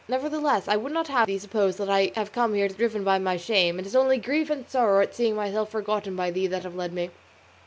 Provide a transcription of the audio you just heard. Nevertheless, I would not have thee suppose that I have come here driven by my shame; it is only grief and sorrow at seeing myself forgotten by thee that have led me.